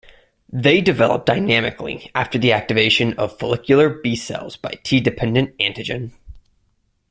They develop dynamically after the activation of follicular B cells by T-dependent antigen.